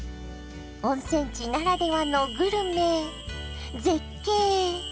温泉地ならではのグルメ絶景